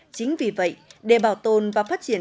chính vì vậy để bảo tồn và phát triển